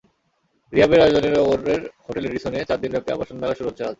রিহ্যাবের আয়োজনে নগরের হোটেল রেডিসনে চার দিনব্যাপী আবাসন মেলা শুরু হচ্ছে আজ।